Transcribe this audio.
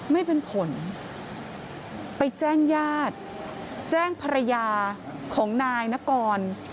ไม่เป็นผลไปแจ้งญาติแจ้งภรรยาของนายนกร